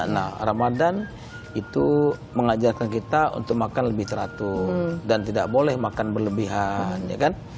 nah ramadan itu mengajarkan kita untuk makan lebih teratur dan tidak boleh makan berlebihan ya kan